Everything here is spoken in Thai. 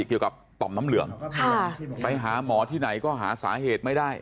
ต่อมน้ำเหลืองไปหาหมอที่ไหนก็หาสาเหตุไม่ได้